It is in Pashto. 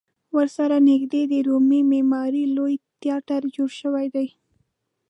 ورسره نږدې د رومي معمارۍ لوی تیاتر جوړ شوی دی.